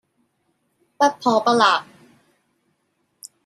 不破不立